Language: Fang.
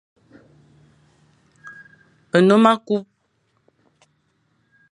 Nnôm à ku.